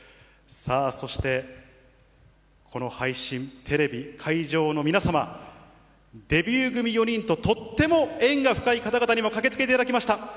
さあ、そしてこの配信、テレビ、会場の皆様、デビュー組４人ととっても縁が深い方々にも駆けつけていただきました。